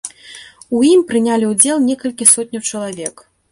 У ім прынялі ўдзел некалькі сотняў чалавек.